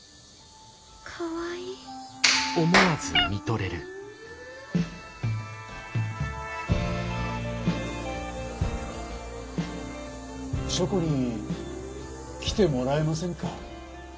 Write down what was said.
かわいい書庫に来てもらえませんか？